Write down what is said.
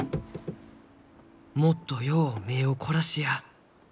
もっとよう目を凝らしや。